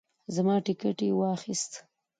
زما ټیکټ یې واخیست.